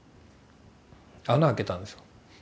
穴開けたんですよ。